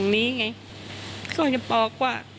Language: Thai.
ไม่ตั้งใจครับ